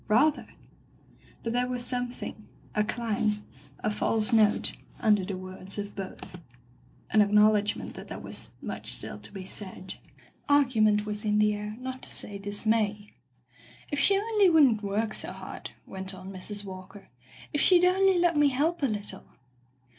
" Rather !'* But there was something — a clang, a false note, under the words of both; an acknowl Digitized by LjOOQ IC Interventions edgment that there was much still to be said. Argument was in the air, not to say dismay. " If she only wouldn't work so hard," went on Mrs. Walker. " If she'd only let me help a little!''